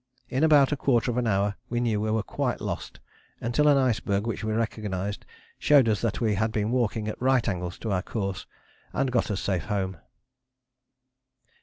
In about a quarter of an hour we knew we were quite lost until an iceberg which we recognized showed us that we had been walking at right angles to our course, and got us safe home.